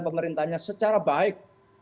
pemerintahnya secara baik